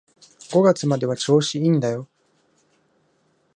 五月までは調子いいんだよ